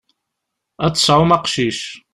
Ad d-tesɛum aqcic.